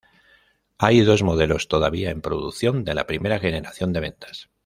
Hay dos modelos todavía en producción de la primera generación de ventas.